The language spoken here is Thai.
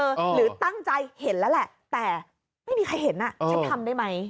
หรือตั้งใจเห็นแล้วแหละแต่ไม่มีใครเห็นอ่ะฉันทำได้ไหม